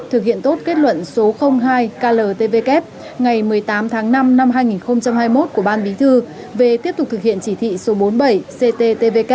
thực hiện tốt kết luận số hai kltvk ngày một mươi tám tháng năm năm hai nghìn hai mươi một của ban bí thư về tiếp tục thực hiện chỉ thị số bốn mươi bảy cttvk